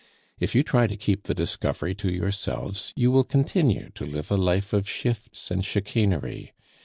If you try to keep the discovery to yourselves, you will continue to live a life of shifts and chicanery.